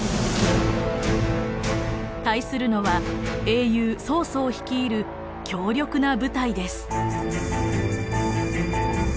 対するのは英雄曹操率いる強力な部隊です。